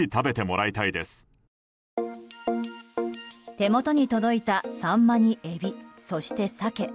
手元に届いたサンマにエビ、そしてサケ。